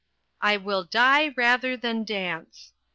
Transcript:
"I WILL DIE RATHER THAN DANCE."